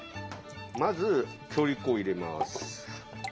まず強力粉を入れます。